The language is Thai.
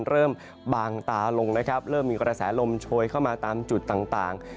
เริ่มบางตาลงนะครับเริ่มมีกระแสลมโชยเข้ามาตามจุดต่าง